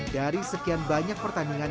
dari sekian banyak pertandingan